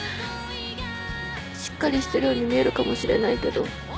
しっかりしてるように見えるかもしれないけど。